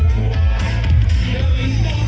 สวัสดีทุกคน